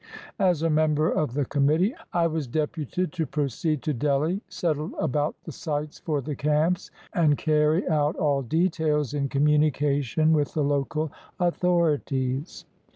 As a member of the committee I was deputed 184 QUEEN VICTORIA EMPRESS OF INDIA to proceed to Delhi, settle about the sites for the camps, and carry out all details in communication with the local authorities.